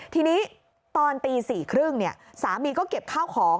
ทีนี้ตอนตี๔๓๐สามีก็เก็บข้าวของ